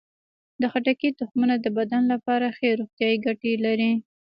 د خټکي تخمونه د بدن لپاره ښه روغتیايي ګټې لري.